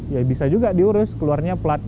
ya bisa juga diurus keluarnya plat